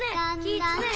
「きつね」！